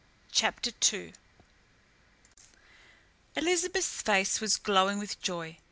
CHAPTER II Elizabeth's face was glowing with joy.